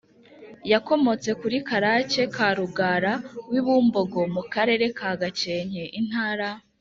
yakomotse kuri karake ka rugara w’i bumbogo (mu karere ka gakenke, intara